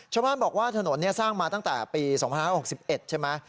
ชาวบ้านบอกว่าถนนสร้างมาตั้งแต่ปี๒๕๖๑ใช่ไหม